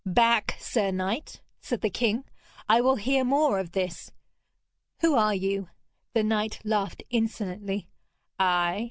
'Back, sir knight!' said the king. 'I will hear more of this. Who are you?' The knight laughed insolently. 'I?